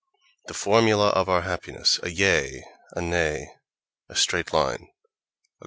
The formula of our happiness: a Yea, a Nay, a straight line, a goal....